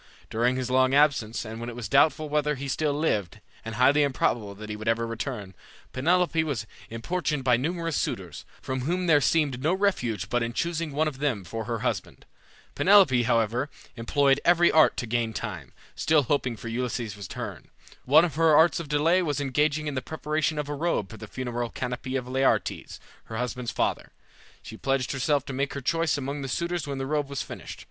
During his long absence, and when it was doubtful whether he still lived, and highly improbable that he would ever return, Penelope was importuned by numerous suitors, from whom there seemed no refuge but in choosing one of them for her husband. Penelope, however, employed every art to gain time, still hoping for Ulysses' return. One of her arts of delay was engaging in the preparation of a robe for the funeral canopy of Laertes, her husband's father. She pledged herself to make her choice among the suitors when the robe was finished.